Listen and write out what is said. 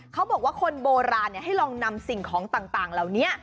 เขาบอกว่าคนโบราณให้ลองนำสิ่งของต่างเหล่านี้